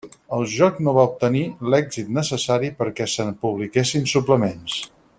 El joc no va obtenir l'èxit necessari perquè se'n publiquessin suplements.